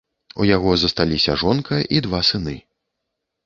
У яго засталіся жонка і два сыны.